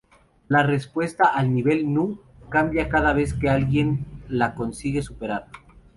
La respuesta al "Nivel Nu" cambia cada vez que alguien la consigue superar.